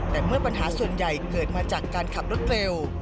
แต่เมื่อปัญหาส่วนใหญ่เกิดมาจากการขับรถเร็ว